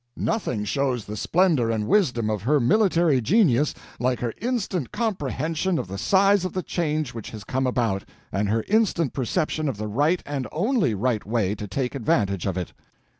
Nothing shows the splendor and wisdom of her military genius like her instant comprehension of the size of the change which has come about, and her instant perception of the right and only right way to take advantage of it.